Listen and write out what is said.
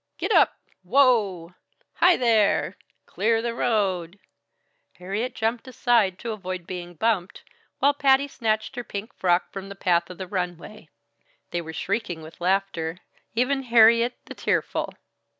"Get up! Whoa! Hi, there! Clear the road." Harriet jumped aside to avoid being bumped, while Patty snatched her pink frock from the path of the runaway. They were shrieking with laughter, even Harriet, the tearful.